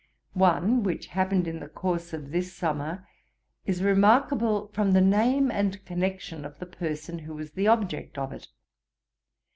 One, which happened in the course of this summer, is remarkable from the name and connection of the person who was the object of it.